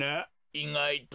いがいと。